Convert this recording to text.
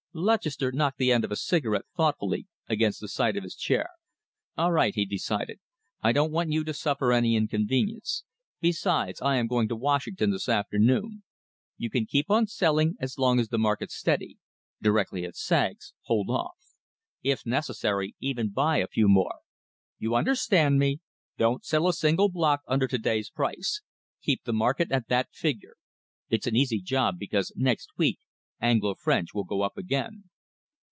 Lutchester knocked the end of a cigarette thoughtfully against the side of his chair. "All right," he decided, "I don't want you to suffer any inconvenience. Besides, I am going to Washington this afternoon. You can keep on selling as long as the market's steady. Directly it sags, hold off. If necessary, even buy a few more. You understand me? Don't sell a single block under to day's price. Keep the market at that figure. It's an easy job, because next week Anglo French will go up again."